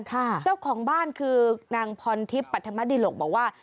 เจ้าของบ้านคือนางพรทิพย์ปัธมดิหลกบอกว่า